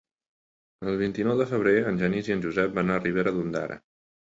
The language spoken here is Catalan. El vint-i-nou de febrer en Genís i en Josep van a Ribera d'Ondara.